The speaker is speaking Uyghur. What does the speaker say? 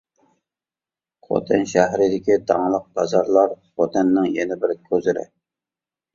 «خوتەن شەھىرىدىكى داڭلىق بازارلار» خوتەننىڭ يەنە بىر كوزىرى.